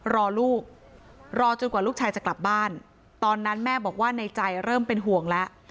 รอลูกรอจนกว่าลูกชายจะกลับบ้านตอนนั้นแม่บอกว่าในใจเริ่มเป็นห่วงแล้ว